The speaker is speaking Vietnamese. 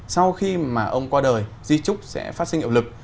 sau khi mà ông qua đời di trúc sẽ phát sinh hiệu lực